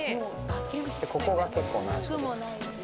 ここが結構、難所です。